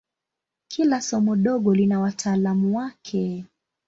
Kila somo dogo lina wataalamu wake.